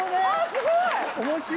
すごい！